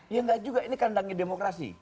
ya enggak juga ini kandangnya demokrasi